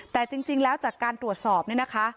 แต่จริงแล้วจากการตรวจสอบเนี่ยนะคะ